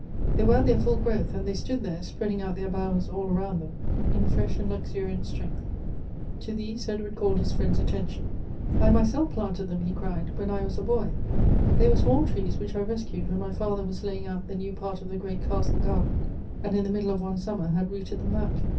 They were at their ftill growth, and they stood there, spreading out their boughs all around them, in fresh and luxuriant strength. To these Edward called'his friend's attention. " I myself planted them," he cried, " when I was a boy. They were small trees which I rescued when my father was laying out the new part of the great castle garden, and in the middle of one summer had rooted them out.